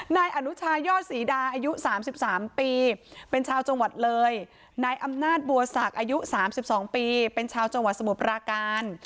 นายอนุชายอดศรีดาอายุ๓๓ปีเป็นชาวจังหวัดเลยนายอำนาจบัวศักดิ์อายุ๓๒ปีเป็นชาวจังหวัดสมุทรปราการ